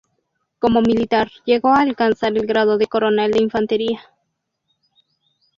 Como militar, llegó a alcanzar el grado de coronel de infantería.